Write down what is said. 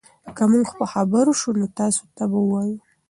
که موږ خبر شو نو تاسي ته به ووایو.